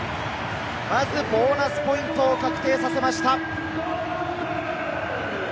まずボーナスポイントを確定させました。